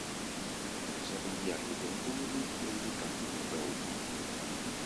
Ɛnɛ zɔ́k yí-a hégɔ́ ŋgúlúlú héé yí-paturu gá wo.